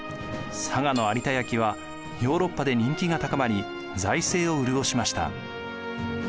佐賀の有田焼はヨーロッパで人気が高まり財政を潤しました。